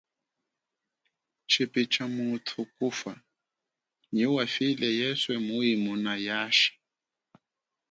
Tshipi tsha muthu kufa nyi wafile yeswe muimona yashi.